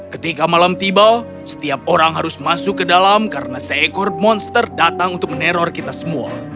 ketika malam tiba setiap orang harus masuk ke dalam karena seekor monster datang untuk meneror kita semua